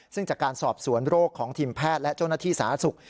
ซึ่งจากการสอบสวนโรคของทีมแพทย์และเจ้าหน้าที่สาธารณสุข